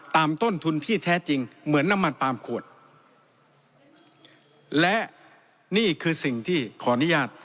ต้นทุนที่แท้จริงเหมือนน้ำมันปาล์มขวดและนี่คือสิ่งที่ขออนุญาต